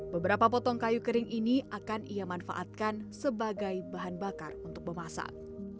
beberapa potong kayu kering ini akan ia manfaatkan sebagai bahan bakar untuk memasak